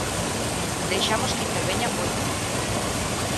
Deixamos que interveñan moito.